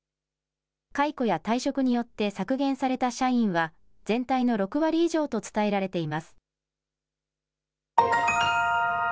解雇や退職によって削減された社員は全体の６割以上と伝えられています。